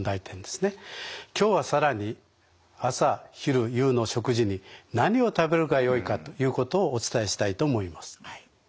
今日は更に朝昼夕の食事に何を食べるがよいかということをお伝えしたいと思います。